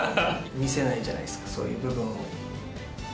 見せないじゃないですかそういう部分を。